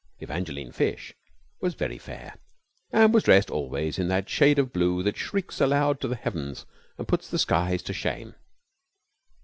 Evangeline Fish was very fair, and was dressed always in that shade of blue that shrieks aloud to the heavens and puts the skies to shame.